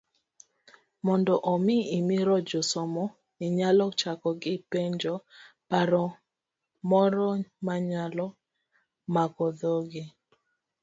Mondo omi imor josomo, inyalo chako gi penjo, paro moro manyalo mako dhogi.